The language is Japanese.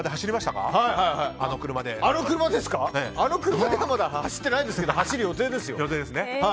あの車ではまだ走ってないですけど走る予定ですよ。